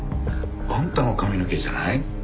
あんたの髪の毛じゃない？